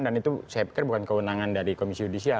dan itu saya pikir bukan keunangan dari komisi judisial